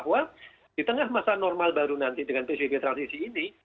tapi aman dalam konteks bahwa di tengah masa normal baru nanti dengan pcb transisi ini